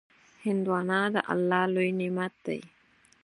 هندوانه د الله لوی نعمت دی.